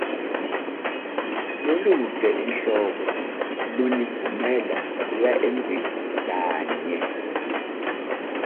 Lolute inhloko lunivumela kuya embili kanye.